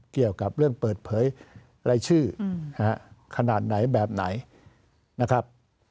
เกี่ยวกับเรื่องเปิดเผยรายชื่อขนาดไหนแบบไหนนะครับ